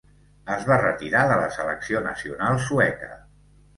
Es va retirar de la selecció nacional sueca.